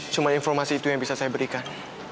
cuma informasi itu yang bisa saya berikan